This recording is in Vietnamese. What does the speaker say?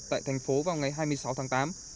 tại thành phố vào ngày hai mươi sáu tháng tám